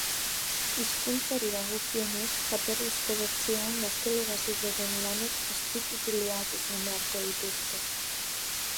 Hizkuntzari dagokionez jatorrizko bertsioan gazteleraz ez dauden lanek azpitituluak izan beharko dituzte.